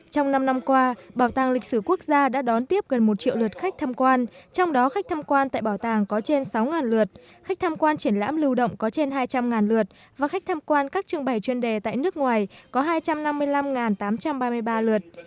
trong năm năm qua bảo tàng lịch sử quốc gia đã đón tiếp gần một triệu lượt khách tham quan trong đó khách tham quan tại bảo tàng có trên sáu lượt khách tham quan triển lãm lưu động có trên hai trăm linh lượt và khách tham quan các trưng bày chuyên đề tại nước ngoài có hai trăm năm mươi năm tám trăm ba mươi ba lượt